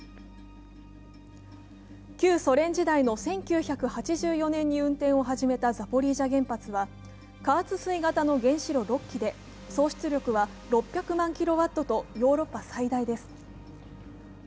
旧ソ連時代の１９８４年に運転を始めたザポリージャ原発は加圧水型の原子炉６基で総出力は６００万キロワットとヨーロッパ最大です。